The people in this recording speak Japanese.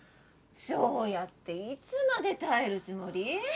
そうやっていつまで耐えるつもり？